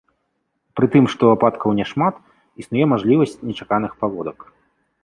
Пры тым што ападкаў няшмат, існуе мажлівасць нечаканых паводак.